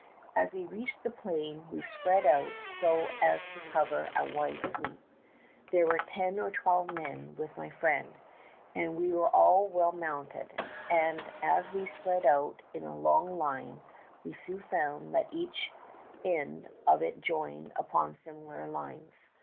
As we reached the plain we spread out so as to cover a wide sweep. There were ten or twelve men with my friend, and we were all well mounted, and as we spread out in a long line we soon found that each end of it joined upon similar lines.